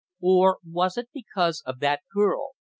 Or was it because of that girl?